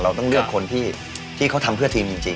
เราต้องเลือกคนที่เขาทำเพื่อทีมจริง